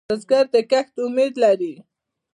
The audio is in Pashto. بزګر د کښت امید لري